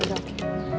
ya udah oke